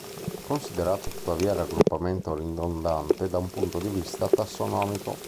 Considerato tuttavia raggruppamento ridondante da un punto di vita tassonomico.